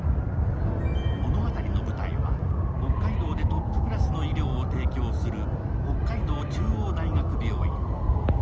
物語の舞台は北海道でトップクラスの医療を提供する北海道中央大学病院。